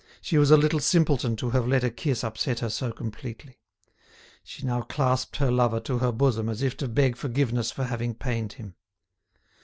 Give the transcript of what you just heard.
She was a little simpleton to have let a kiss upset her so completely. She now clasped her lover to her bosom as if to beg forgiveness for having pained him.